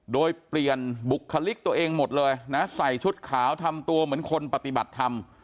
โดยเปลี่ยนบุคลิกตัวเองหมดเลยนะใส่ชุดขาวทำตัวเหมือนคนปฏิบัติธรรม